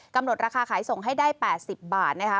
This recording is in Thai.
ราคาขายส่งให้ได้๘๐บาทนะคะ